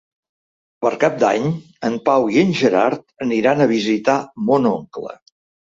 Per Cap d'Any en Pau i en Gerard aniran a visitar mon oncle.